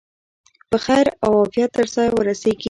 په خیر او عافیت تر ځایه ورسیږي.